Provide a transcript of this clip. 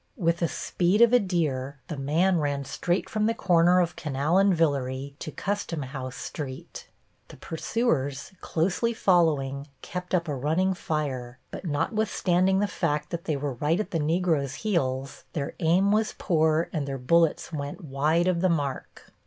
With the speed of a deer, the man ran straight from the corner of Canal and Villere to Customhouse Street. The pursuers, closely following, kept up a running fire, but notwithstanding the fact that they were right at the Negro's heels their aim was poor and their bullets went wide of the mark.